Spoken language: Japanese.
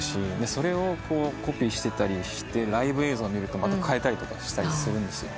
それをコピーしてたりしてライブ映像を見るとまた変えたりとかしたりするんですよ。